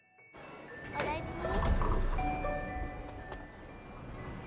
・お大事に。